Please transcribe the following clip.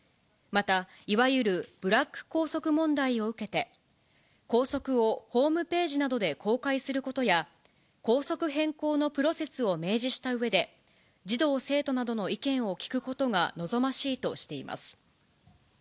また、いわゆるブラック校則問題を受けて、校則をホームページなどで公開することや、校則変更のプロセスを明示したうえで、児童・生徒などの意見を聞くことが望ましいとしています。